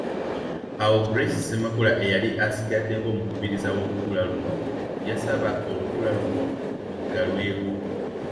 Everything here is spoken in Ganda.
Awo Grace Ssemakula eyali asigadde ng’omukubiriza w’olutuula luno yasaba olutuula luno luggalwewo.